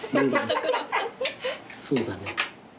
そうだね。